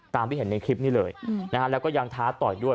ที่เห็นในคลิปนี้เลยนะฮะแล้วก็ยังท้าต่อยด้วย